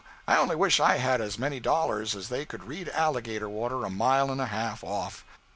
I only wish I had as many dollars as they could read alligator water a mile and a half off.